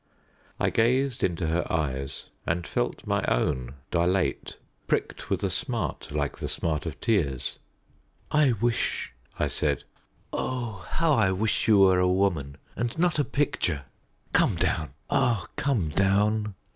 I gazed into her eyes, and felt my own dilate, pricked with a smart like the smart of tears. "I wish," I said, "oh, how I wish you were a woman, and not a picture! Come down! Ah, come down!"